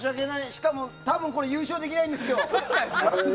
しかも多分優勝できないんですよ。